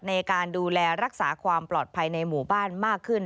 ในการดูแลรักษาความปลอดภัยในหมู่บ้านมากขึ้น